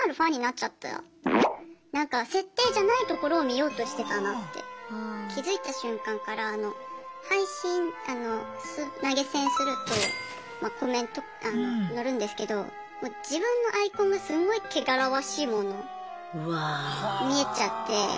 なんか設定じゃないところを見ようとしてたなって気付いた瞬間から配信投げ銭するとコメント載るんですけどもう自分のアイコンがすごい汚らわしいモノに見えちゃって。